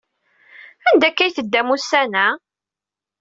Anda akka ay teddam ussan-a?